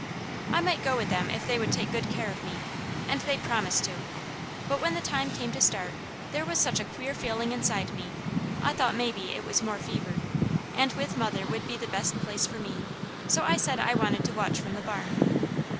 I might go with them if they would take good care of me, and they promised to; but when the time came to start, there was such a queer feeling inside me, I thought maybe it was more fever, and with mother would be the best place for me, so I said I wanted to watch from the barn.